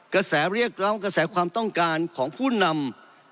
กระแสเรียกร้องกระแสความต้องการของผู้นำ